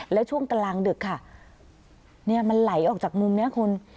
แล้วช่วงกลางดึกค่ะเนี่ยมันไหลออกจากมุมนี้คุณ